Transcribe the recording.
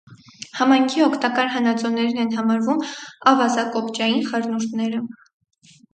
Համայնքի օգտակար հանածոներն են համարվում ավազակոպճային խառնուրդները։